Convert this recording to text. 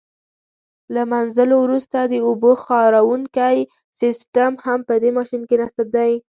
له منځلو وروسته د اوبو خاروونکی سیسټم هم په دې ماشین کې نصب دی.